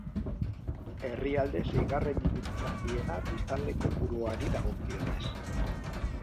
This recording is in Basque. Herrialde seigarren hiririk handiena biztanle kopuruari dagokionez.